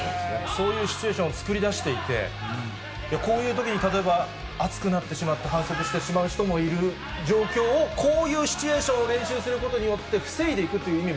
そういうシチュエーションを作りだしていて、こういうときに例えば、あつくなってしまって反則してしまう人もいる状況を、こういうシチュエーションを練習することによって、防いでいくっ